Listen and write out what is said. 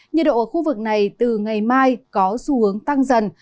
nhiệt độ ở khu vực này từ ngày mai có xu hướng tăng dần